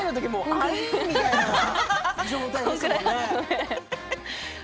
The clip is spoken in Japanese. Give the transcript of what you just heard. アイーンみたいな状態ですね。